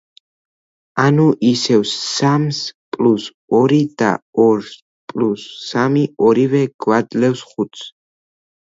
ანუ, ისევ, სამს პლუს ორი და ორს პლუს სამი ორივე გვაძლევს ხუთს.